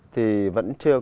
thì vẫn trở nên quen thuộc